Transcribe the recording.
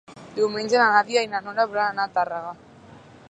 Diumenge na Nàdia i na Nora volen anar a Tàrrega.